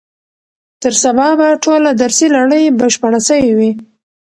تر سبا به ټوله درسي لړۍ بشپړه سوې وي.